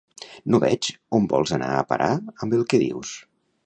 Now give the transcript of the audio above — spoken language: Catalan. No veig on vols anar a parar amb el que dius.